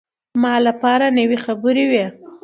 ما لپاره نوې خبرې وې.